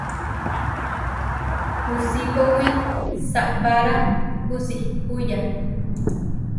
Kusikowí saʼpára kusí huyá.